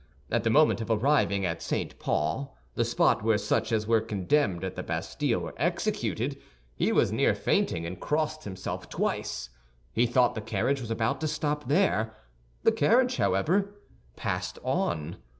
At the moment of arriving at St. Paul—the spot where such as were condemned at the Bastille were executed—he was near fainting and crossed himself twice. He thought the carriage was about to stop there. The carriage, however, passed on.